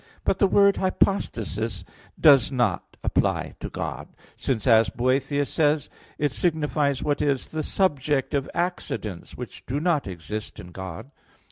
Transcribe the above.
But the word "hypostasis" does not apply to God, since, as Boethius says (De Duab. Nat.), it signifies what is the subject of accidents, which do not exist in God.